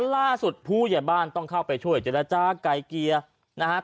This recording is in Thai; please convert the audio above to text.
ล่าสุดผู้หญิงบ้านต้องเข้าไปช่วยเจรจาไกรเกียร์นะฮะ